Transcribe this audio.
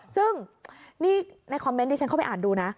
ซึ่งนี่ในคอมเมนต์ที่ฉันเข้าไปอ่านดูนะ